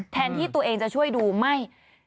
แทนที่ตัวเองจะช่วยดูไม่